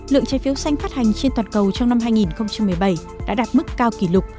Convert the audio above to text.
lượng trái phiếu xanh phát hành trên toàn cầu trong năm hai nghìn một mươi bảy đã đạt mức cao kỷ lục